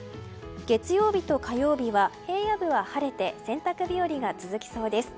月曜日と火曜日は平野部は晴れて洗濯日和が続きそうです。